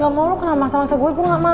gue gak mau lu kena masa masa gue gue gak mau